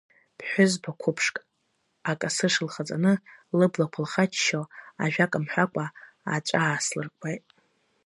Ԥҳәызба қәыԥшк, акасыш лхаҵаны, лыблақәа лхаччо, ажәак мҳәакәа, аҵәа ааслыркуеит.